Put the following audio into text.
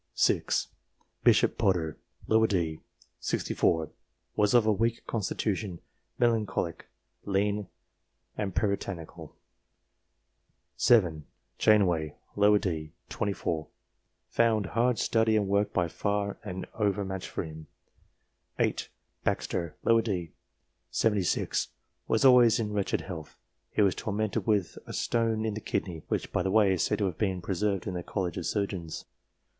6. Bishop Potter, d. set. 64, was of a weak constitution, melancholic, lean, and puritanical. 7. Janeway, d. set. 24, found " hard study and work by far an overmatch for him." 8. Baxter, d. set. 76, was always in wretched health ; he was tormented with a stone in the kidney (which, by the way, is said to have been preserved in the College of Surgeons).